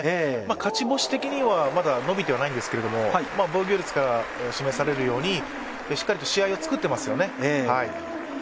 勝ち星的にはまだ伸びていないんですけれども防御率から示されるようにしっかりと試合を作っていますよね。